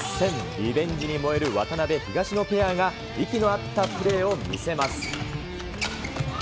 リベンジに燃える渡辺・東野ペアが息の合ったプレーを見せます。